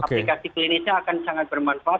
aplikasi klinisnya akan sangat bermanfaat